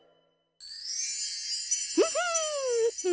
フフフ。